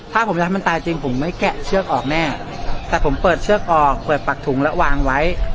ถ้าผมจะให้มันตายจริงผมไม่แกะเชือกออกแน่แต่ผมเปิดเชือกออกเปิดปากถุงแล้ววางไว้